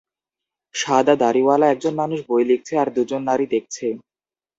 সাদা দাড়িওয়ালা একজন মানুষ বই লিখছে আর দুজন নারী দেখছে